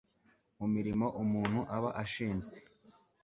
mu mirimo umuntu aba ashinzwe